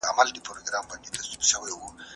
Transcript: ایا ته د خپلې مور صحت خبر یې؟